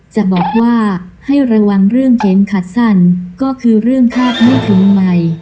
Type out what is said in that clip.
จะบอกว่าให้ระวังเรื่องเข็มขัดสั้นก็คือเรื่องคาดไม่ถึงใหม่